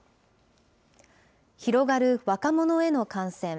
広がる若者への感染。